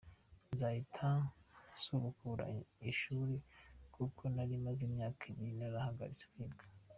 Nzahita nsubukura ishuri kuko nari maze imyaka ibiri narahagaritse kwiga.